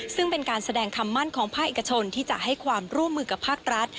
ซึ่งเป็นการแสดงคำมั่นของภาคเอกชนที่จะให้ความร่วมมือกับภาครัฐ